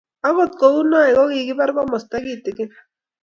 akot kou noe kokibar komosta kiteken